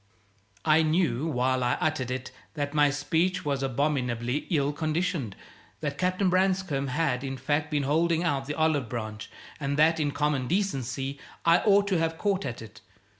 I knew, while I uttered it, that my speech was abominably ill conditioned; that Captain Branscome had, in fact, been holding out the olive branch, and that in common decency I ought to have caught at it.